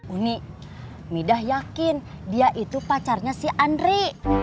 unik midah yakin dia itu pacarnya si andri